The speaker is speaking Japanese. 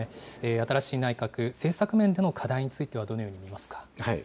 新しい内閣、政策面での課題についてはどのように見ますか。